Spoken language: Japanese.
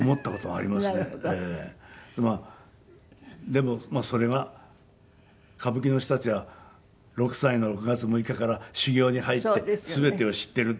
でもそれが歌舞伎の人たちは６歳の６月６日から修行に入って全てを知っている。